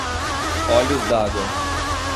Olhos-d'Água